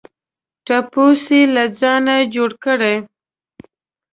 ټپوس یې له ځانه جوړ کړی.